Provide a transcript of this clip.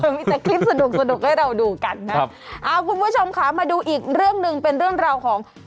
มีแต่คลิปสนุกให้เราดูกันนะคุณผู้ชมคะมาดูอีกเรื่องนึงเป็นเรื่องราวของ